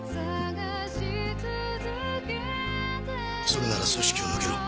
それなら組織を抜けろ。